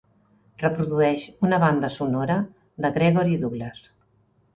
Reprodueix una banda sonora de Gregory Douglass.